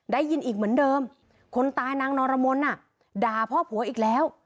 ได้ยินอีกเหมือนเดิมคนตายนางนรมนด่าพ่อผัวอีกแล้ว